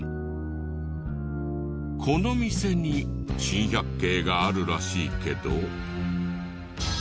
この店に珍百景があるらしいけど。